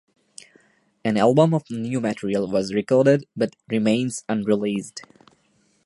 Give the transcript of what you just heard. An album of new material was recorded, but remains unreleased.